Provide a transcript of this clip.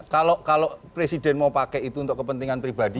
kalau presiden mau pakai itu untuk kepentingan politik presiden